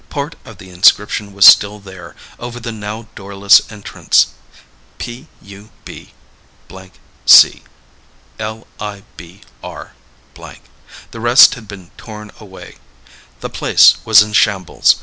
Part of the inscription was still there, over the now doorless entrance. P U B C L I B R . The rest had been torn away. The place was in shambles.